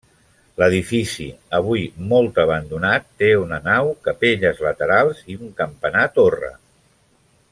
L'edifici, avui molt abandonat, té una nau, capelles laterals i un campanar torre.